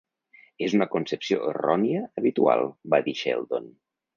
"És una concepció errònia habitual", va dir Sheldon.